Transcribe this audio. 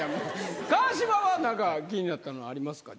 川島は何か気になったのありますか？